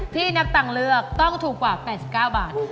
ที่นับตังค์เลือกต้องถูกกว่า๘๙บาท